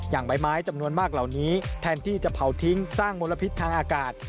ใบไม้จำนวนมากเหล่านี้แทนที่จะเผาทิ้งสร้างมลพิษทางอากาศ